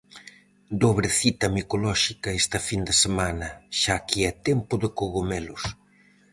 Dobre cita micolóxica esta fin de semana, xa que é tempo de cogomelos.